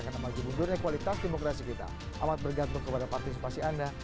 karena maju mundurnya kualitas demokrasi kita amat bergantung kepada partisipasi anda